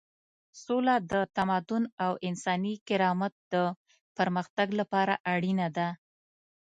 سوله د تمدن او انساني کرامت د پرمختګ لپاره اړینه ده.